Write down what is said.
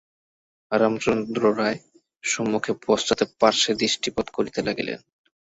রামচন্দ্র রায় সম্মুখে পশ্চাতে পার্শ্বে দৃষ্টিপাত করিতে লাগিলেন।